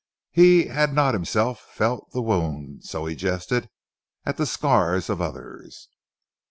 He had not himself felt the wound, so he jested at the scars of others.